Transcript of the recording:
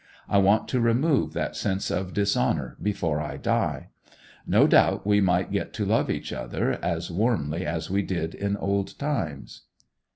I want to remove that sense of dishonour before I die. No doubt we might get to love each other as warmly as we did in old times?